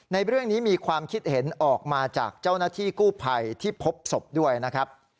ในเรื่องนี้มีความคิดเห็นออกมาจากเจ้าหน้าที่กู้ภัยที่พบศพด้วยนะครับ